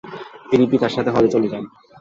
তিনি পিতার সাথে হজ্জে চলে যান।